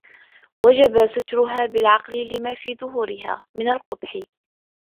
وَجَبَ سَتْرُهَا بِالْعَقْلِ لِمَا فِي ظُهُورِهَا مِنْ الْقُبْحِ